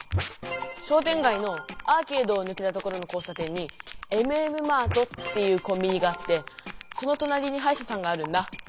しょうてんがいのアーケードをぬけた所の交さ点にエムエムマートっていうコンビニがあってそのとなりにはいしゃさんがあるんだ。